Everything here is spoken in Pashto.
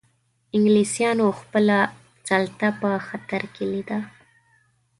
انګلیسانو خپله سلطه په خطر کې لیده.